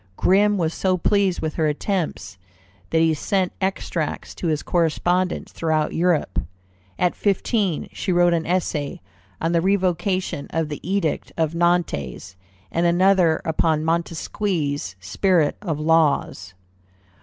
Grimm was so pleased with her attempts, that he sent extracts to his correspondents throughout Europe. At fifteen she wrote an essay on the Revocation of the Edict of Nantes, and another upon Montesquieu's Spirit of Laws.